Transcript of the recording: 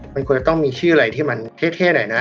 มันควรจะต้องมีชื่ออะไรที่มันเท่หน่อยนะ